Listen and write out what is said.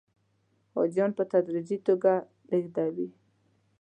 حاجیان په تدریجي توګه لېږدوي.